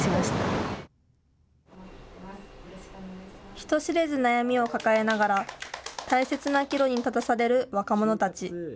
人知れず悩みを抱えながら大切な岐路に立たされる若者たち。